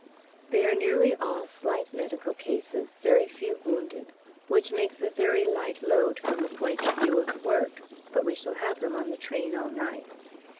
They are nearly all slight medical cases; very few wounded, which makes a very light load from the point of view of work, but we shall have them on the train all night.